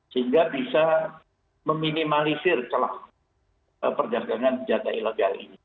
sehingga bisa meminimalisir celah perdagangan senjata ilegal ini